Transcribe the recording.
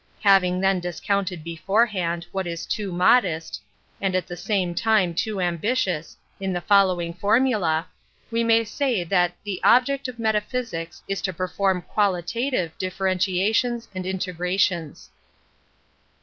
Having then discounted before hand what is too modest, and at the same time too ambitious, in the following . fonnula, we may say that the object of metaphysics is to perform qualitative dif ^ ferentiatioHS and integrations.